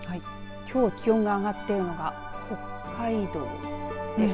きょう気温が上がっているのが北海道です。